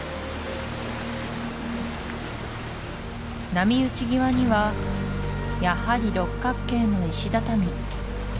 波打ち際にはやはり六角形の石畳